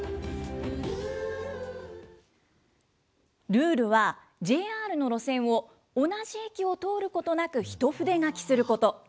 ルールは、ＪＲの路線を同じ駅を通ることなく、一筆書きすること。